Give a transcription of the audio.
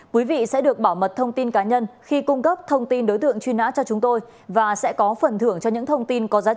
quý vị sẽ được bảo mật thông tin cá nhân khi cung cấp thông tin đối tượng truy nã cho chúng tôi và sẽ có phần thưởng cho những thông tin có giá trị